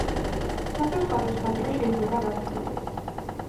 თუმცა სხვადასხვა დრო შეიძლება გაგრძელდეს.